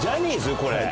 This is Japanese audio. これ。